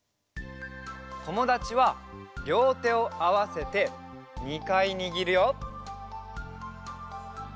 「ともだち」はりょうてをあわせて２かいにぎるよ。